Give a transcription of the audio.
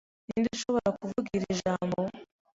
Ninde ushobora kuvuga iri jambo?